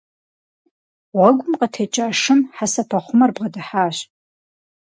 Гъуэгум къытекӀа шым хьэсэпэхъумэр бгъэдыхьащ.